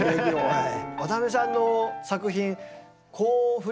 はい。